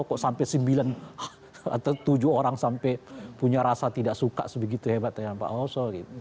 kok sampai sembilan atau tujuh orang sampai punya rasa tidak suka sebegitu hebat dengan pak oso